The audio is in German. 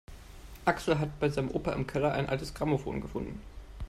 Axel hat bei seinem Opa im Keller ein altes Grammophon gefunden.